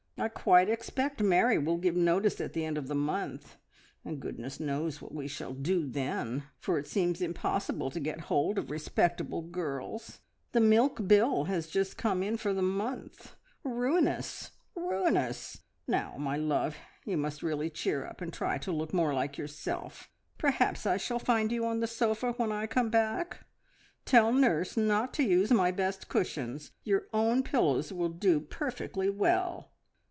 I quite expect Mary will give notice at the end of the month, and goodness knows what we shall do then, for it seems impossible to get hold of respectable girls. The milk bill has just come in for the month. Ruinous! Ruinous! Now, my love, you must really cheer up and try to look more like yourself. Perhaps I shall find you on the sofa when I come back. Tell nurse not to use my best cushions; your own pillows will do perfectly well."